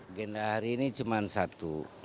agenda hari ini cuma satu